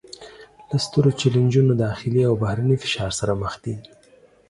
له سترو چلینجونو داخلي او بهرني فشار سره مخ دي